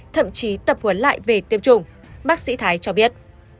thậm chí tập huấn lại về tiêm chủng bác sĩ thái cho biết